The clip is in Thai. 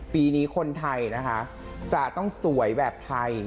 ปีนี้คนไทยนะคะจะต้องสวยแบบไทย